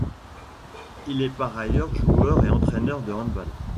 Il est par ailleurs joueur et entraîneur de Hand-ball.